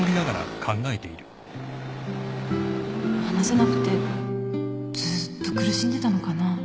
話せなくてずっと苦しんでたのかな